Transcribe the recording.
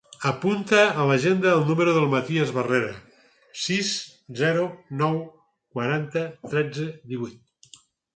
Apunta a l'agenda el número del Matías Barrera: sis, zero, nou, quaranta, tretze, divuit.